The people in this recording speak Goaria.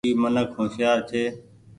اي منک هوشيآر ڇي۔